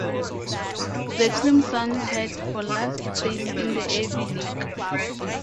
The Crimson tied for last place in the Ivy League.